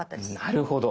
なるほど。